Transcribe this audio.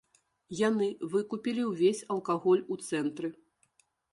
Яны выкупілі ўвесь алкаголь у цэнтры.